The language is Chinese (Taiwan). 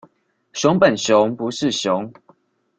熊本熊不是熊